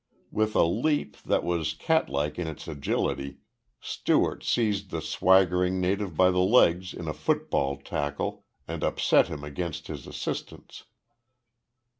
With a leap that was catlike in its agility, Stewart seized the swaggering native by the legs in a football tackle, and upset him against his assistants.